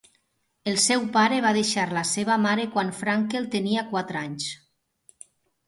El seu pare va deixar la seva mare quan Frankel tenia quatre anys.